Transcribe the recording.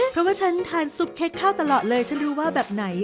เพราะว่าฉันทานซุปเค้กข้าวตลอดเลยฉันรู้ว่าแบบไหน